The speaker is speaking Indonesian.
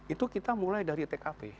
itu kita mulai dari tkp